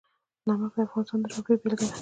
نمک د افغانستان د جغرافیې بېلګه ده.